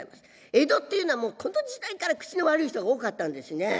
江戸っていうのはもうこの時代から口の悪い人が多かったんですね。